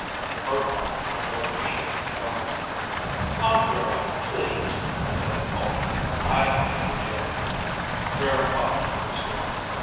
The birthmark on her left cheek darkened. "Aunt Rara, please," said Alter. "I'll handle Geryn." Rara huffed once more.